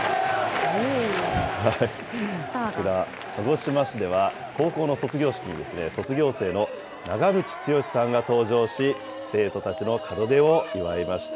こちら、鹿児島市では、高校の卒業式に、卒業生の長渕剛さんが登場し、生徒たちの門出を祝いました。